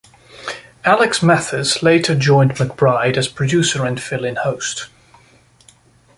Alex Mathis later joined McBryde as producer and fill-in host.